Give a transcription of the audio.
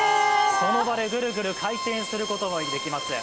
その場でぐるぐると回転することができます。